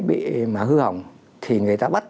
bị mà hư hỏng thì người ta bắt